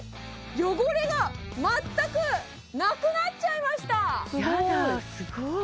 汚れが全くなくなっちゃいましたやだすごい！